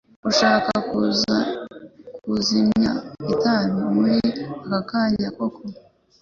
Urashaka kuzimya itabi muri akakanya koko ?